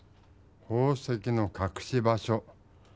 宝石のかくし場所。